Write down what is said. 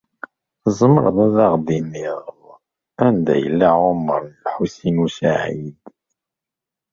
Tzemreḍ ad aɣ-d-tiniḍ anda yella Ɛumaṛ n Lḥusin u Saɛid?